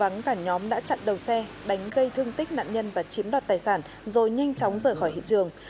nhóm cả nhóm đã chặn đầu xe đánh gây thương tích nạn nhân và chiếm đoạt tài sản rồi nhanh chóng rời khỏi hiện trường